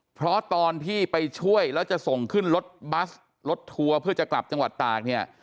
เพราะตอนที่ไปช่วยแล้วจะส่งขึ้นรถบัสรถทัวร์เพื่อจะกลับจังหวัดตากเนี่ย